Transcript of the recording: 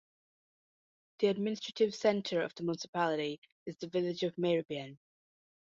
The administrative centre of the municipality is the village of Meieribyen.